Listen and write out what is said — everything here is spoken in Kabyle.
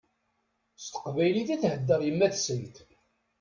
S teqbaylit i theddeṛ yemma-tsent.